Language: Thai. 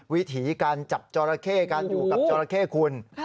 วิถีการจับจอราเข้การอยู่กับจอราเข้คุณ